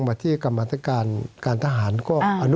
สวัสดีครับทุกคน